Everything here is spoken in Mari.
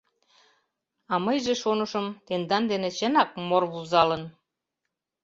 — А мыйже шонышым, тендан дене чынак мор вузалын!